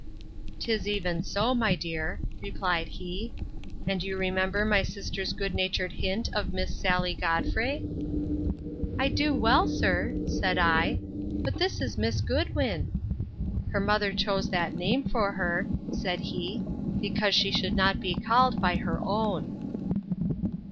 'Tis even so, my dear, replied he; and you remember my sister's good natured hint of Miss Sally Godfrey? I do well, sir, answered I. But this is Miss Goodwin. Her mother chose that name for her, said he, because she should not be called by her own.